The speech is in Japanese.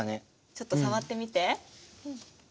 ちょっと触ってみて。